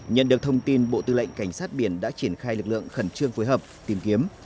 nhận được thông tin bộ tư lệnh cảnh sát biển đã triển khai lực lượng khẩn trương phối hợp tìm kiếm